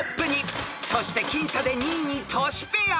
［そして僅差で２位にトシペア］